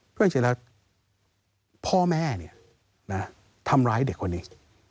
เพราะจริงแล้วพ่อแม่ทำร้ายเด็กคนนี้